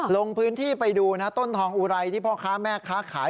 ลงพื้นที่ไปดูนะต้นทองอุไรที่พ่อค้าแม่ค้าขาย